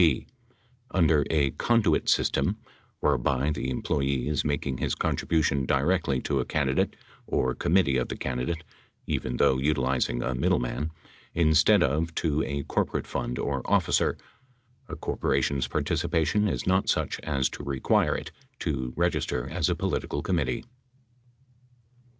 b. Under a "conduit system" whereby the employee is mak ing his contribution directly to a candidate or committee of the candidate (even though utilizing a middleman) instead of to a corporate fund or officer, a corporation's participation is not such as to require it to register as a political committee.